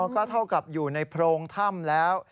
ก็เท่ากับอยู่ในโพรงถ้ำแล้ว